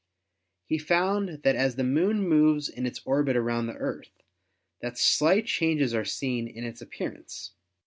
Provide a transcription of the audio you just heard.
He found that as the Moon moves in its orbit around the Earth that slight changes are seen in its appearance.